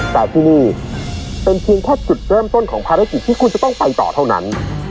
แต่ที่นี่เป็นเพียงแค่จุดเริ่มต้นของภารกิจที่คุณจะต้องไปต่อเท่านั้น